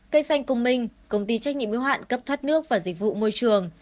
cây xanh công minh công ty trách nhiệm yếu hạn cấp thoát nước và dịch vụ môi trường